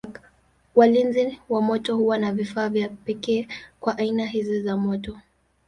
Walinzi wa moto huwa na vifaa vya pekee kwa aina hizi za moto.